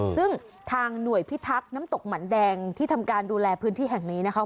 ซึ่งทางหน่วยพิทักษ์น้ำตกหมันแดงที่ทำการดูแลพื้นที่แห่งนี้นะคะ